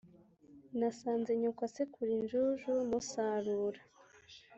nasanze nyoko asekura injuju musarura